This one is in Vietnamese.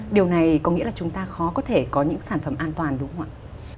điều này có nghĩa là chúng ta khó có thể có những sản phẩm an toàn đúng không ạ